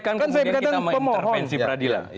kan kemudian kita intervensi peradilan